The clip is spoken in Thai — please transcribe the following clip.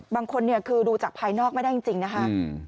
บางคนเนี่ยคือดูจากภายนอกไม่ได้จริงนะคะ